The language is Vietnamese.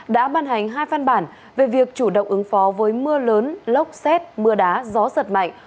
đã ban hành hai văn bản về việc chủ động ứng phó với mưa lớn lốc xét mưa đá gió giật mạnh